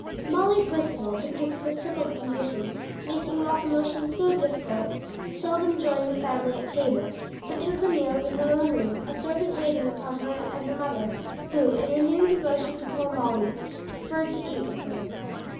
Molly Percival, because of her crippled condition, making locomotion so difficult, seldom joined the family at table, but took her meals in her own room, a servant waiting upon her and her mother, who, in her new devotion to poor Molly, preferred to eat with her.